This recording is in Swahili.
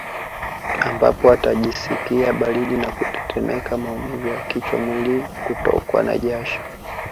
Ambapo atajisikia baridi na kutetemeka maumivu ya kichwa mwili Kutokwa na jasho